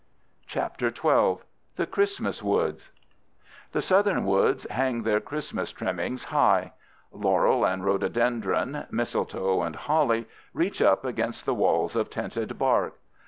CHAPTER XII. THE CHRISTMAS WOODS The Southern woods hang their Christmas trimmings high. Laurel and rhododendron, mistletoe and holly, reach up against the walls of tinted bark.